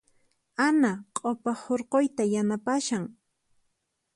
Ana q'upa hurquyta yanapashan.